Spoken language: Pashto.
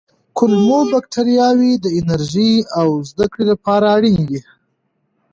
کولمو بکتریاوې د انرژۍ او زده کړې لپاره اړینې دي.